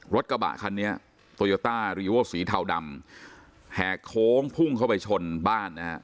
รถกระบะคันนี้โตโยต้ารีโวสีเทาดำแหกโค้งพุ่งเข้าไปชนบ้านนะฮะ